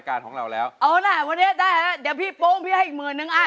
อยากจะให้ได้บุญเยอะ